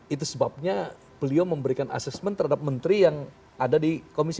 itu sebabnya beliau memberikan assessment terhadap menteri yang ada di komisi satu